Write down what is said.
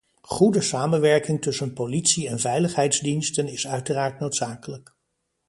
Goede samenwerking tussen politie- en veiligheidsdiensten is uiteraard noodzakelijk.